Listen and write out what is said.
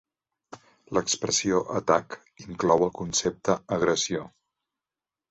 L'expressió "atac" inclou el concepte "agressió".